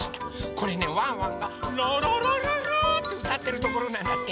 これねワンワンが「ラララララ」ってうたってるところなんだって。